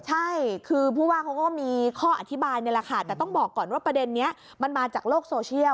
ใช่คือผู้ว่าเขาก็มีข้ออธิบายนี่แหละค่ะแต่ต้องบอกก่อนว่าประเด็นนี้มันมาจากโลกโซเชียล